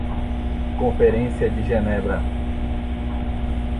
Conferência de Genebra